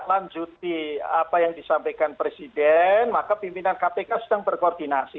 lanjuti apa yang disampaikan presiden maka pimpinan kpk sedang berkoordinasi